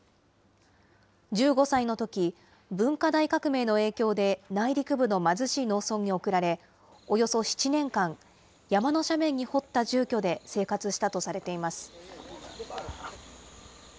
１５歳のとき、文化大革命の影響で内陸部の貧しい農村に送られ、およそ７年間、山の斜面に掘った住居で生活したとされています。